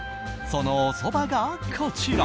そのおそばが、こちら。